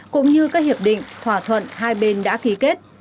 cũng như các hiệp định thỏa thuận hai bên đã ký kết